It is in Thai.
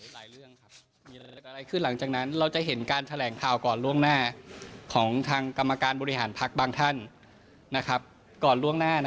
ส่วนนี้ซึ่งผมก็ไม่ขออนุญาตก้าวรวงว่าทำไปเพราะอะไร